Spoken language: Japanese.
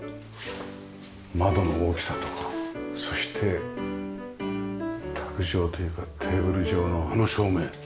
窓の大きさとかそして卓上テーブルテーブル上のあの照明。